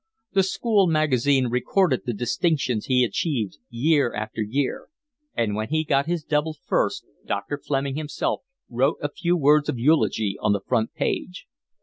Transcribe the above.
The school magazine recorded the distinctions he achieved year after year, and when he got his double first Dr. Fleming himself wrote a few words of eulogy on the front page.